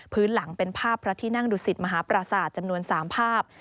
พื้นหลังเป็นภาพพระที่นั่งดุศิษฐ์มหาปราสาทจำนวน๓ภาพ